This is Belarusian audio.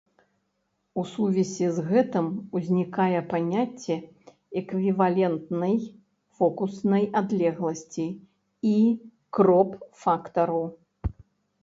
У сувязі з гэтым узнікае паняцце эквівалентнай фокуснай адлегласці і кроп-фактару.